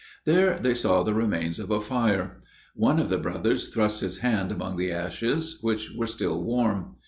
There they saw the remains of a fire. One of the brothers thrust his hand among the ashes, which were still warm.